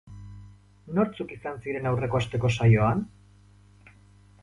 Nortzuk izan ziren aurreko asteko saioan?